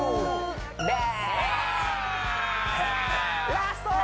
ラストー！